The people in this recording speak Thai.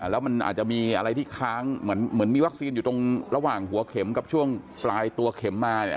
แล้วมันอาจจะมีอะไรที่ค้างเหมือนมีวัคซีนอยู่ตรงระหว่างหัวเข็มกับช่วงปลายตัวเข็มมาเนี่ย